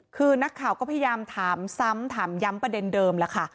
คือนักข่าวก็พยายามถามซ้ำถามย้ำประเด็นเดิมแล้วค่ะ